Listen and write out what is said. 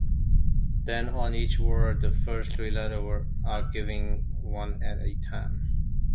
Then on each word, the first three letters are given one at a time.